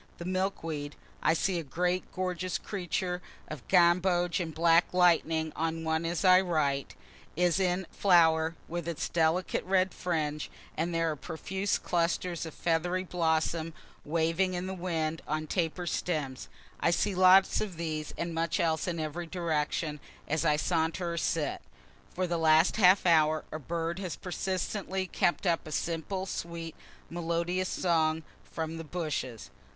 The milk weed, (I see a great gorgeous creature of gamboge and black lighting on one as I write,) is in flower, with its delicate red fringe; and there are profuse clusters of a feathery blossom waving in the wind on taper stems. I see lots of these and much else in every direction, as I saunter or sit. For the last half hour a bird has persistently kept up a simple, sweet, melodious song, from the bushes.